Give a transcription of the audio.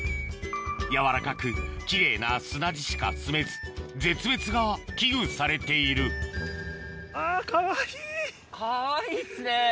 柔らかく奇麗な砂地しかすめず絶滅が危惧されているかわいいっすね！